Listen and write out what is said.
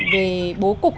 về bố cục